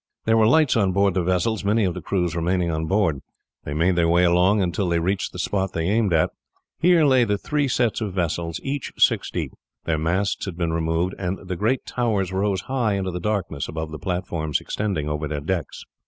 There were lights on board the vessels, many of the crews remaining on board. They made their way along until they reached the spot they aimed at. Here lay the three sets of vessels, each six deep; their masts had been removed, and the great towers rose high into the darkness above the platforms extending over their decks.